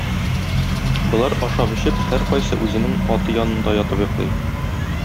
Болар, ашап-эчеп, һәркайсы үзенең аты янында ятып йоклый.